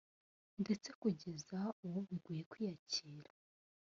ndetse kugeza ubu bigoye kwiyakira